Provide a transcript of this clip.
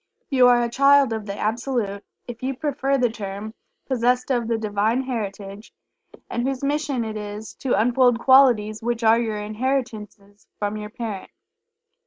You are a Child of the Absolute, if you prefer the term, possessed of the Divine Heritage, and whose mission it is to unfold qualities which are your inheritances from your Parent.